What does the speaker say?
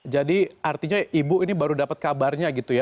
jadi artinya ibu ini baru dapat kabar